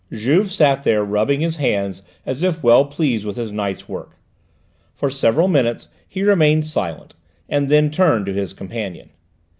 Juve sat there rubbing his hands as if well pleased with his night's work. For several minutes he remained silent, and then turned to his companion.